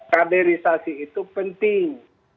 kaderisasi itu penting